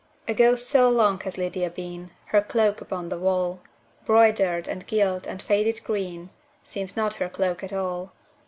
A ghost so long has Lydia been, Her cloak upon the wall, Broidered, and gilt, and faded green, Seems not her cloak at all.